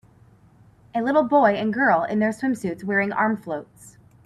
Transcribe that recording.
A little boy and girl in their swimsuits wearing arm floats.